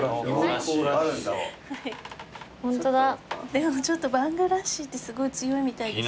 でもバング・ラッシーってすごい強いみたいです。